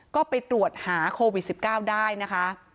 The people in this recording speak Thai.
ก็ไปตรวจหาโควิด๑๙ได้นะคะ